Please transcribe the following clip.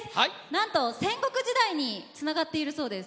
なんと戦国時代につながっているそうです。